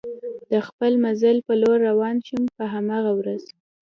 د خپل مزل په لور روان شوم، په هماغه ورځ.